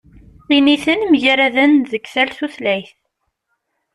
Initen mgaraden deg tal tutlayt.